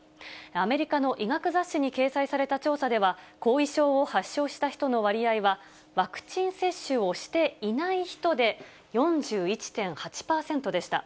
アメリカの医学雑誌に掲載された調査では、後遺症を発症した人の割合はワクチン接種をしていない人で４１．８％でした。